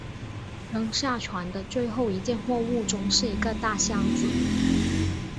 扔下船的最后一件货物中是一个大箱子。